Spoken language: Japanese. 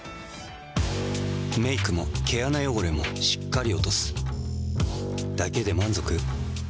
メイクも毛穴汚れもしっかり落とすだけで満足？